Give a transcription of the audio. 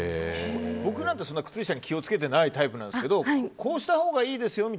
僕は靴下に気を付けてないタイプですけどこうしたほうがいいですよって